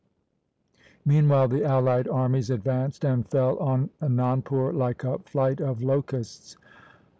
Meanwhile the allied armies advanced and fell on Anandpur like a flight of locusts.